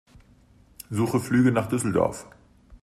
Suche Flüge nach Düsseldorf.